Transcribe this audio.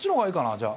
じゃあ。